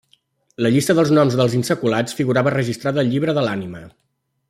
La llista dels noms dels insaculats figurava registrada al Llibre de l'Ànima.